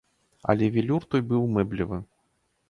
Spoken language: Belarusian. Але велюр той быў мэблевы.